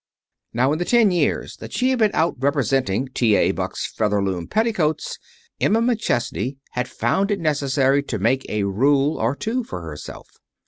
Now, in the ten years that she had been out representing T. A. Buck's Featherloom Petticoats Emma McChesney had found it necessary to make a rule or two for herself.